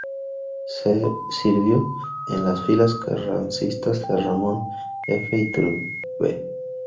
Sirvió en las filas carrancistas de Ramón F. Iturbe.g